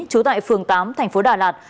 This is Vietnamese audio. trú tại phường tám thành phố đà lạt